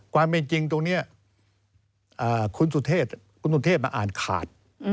ความเป็นจริงตรงนี้คุณสุเทพมาอ่านขาด